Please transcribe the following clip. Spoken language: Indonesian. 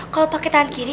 kalau pakai tangan kiri